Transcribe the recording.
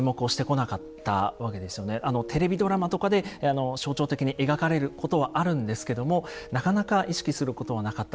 テレビドラマとかで象徴的に描かれることはあるんですけどもなかなか意識することはなかった。